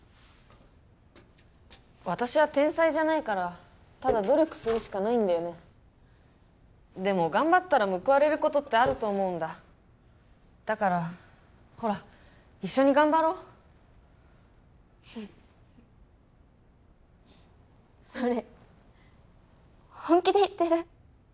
私は天才じゃないからただ努力するしかないんだよねでも頑張ったら報われることってあると思うんだだからほら一緒に頑張ろうフッそれ本気で言ってる？